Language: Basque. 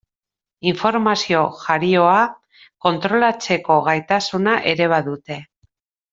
Informazio jarioa kontrolatzeko gaitasuna ere badute.